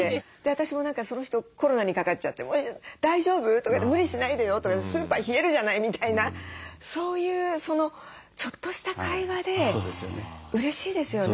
私も何かその人コロナにかかっちゃって「大丈夫？」とか「無理しないでよ」とか「スーパー冷えるじゃない」みたいなそういうちょっとした会話でうれしいですよね。